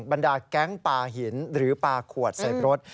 บรรดาแก๊งปลาหินหรือปลาขวดใส่รถ